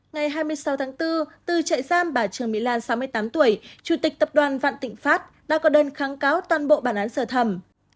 ngày hai mươi sáu tháng bốn từ trại giam bà trương mỹ lan sáu mươi tám tuổi chủ tịch tập đoàn vạn thịnh pháp đã có đơn kháng cáo toàn bộ bản án sơ thẩm